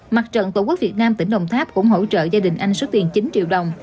mặt trận tổ quốc việt nam tỉnh đồng tháp cũng hỗ trợ gia đình anh số tiền chín triệu đồng